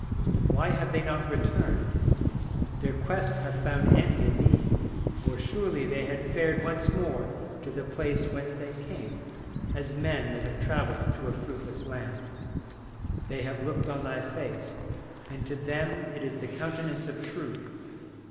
Why have they not returned? Their quest hath found end in thee, Or surely they had fared Once more to the place whence they came, As men that have travelled to a fruitless land. They have looked on thy face, And to them it is the countenance of Truth.